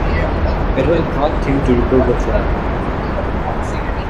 It was a hard thing to recover from.